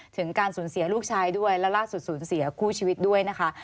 ถึงการสูญเสียลูกชายด้วยและล่าสุดสูญเสียคู่ชีวิตด้วยนะคะ